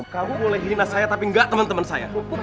kamu boleh hina saya tapi enggak teman teman saya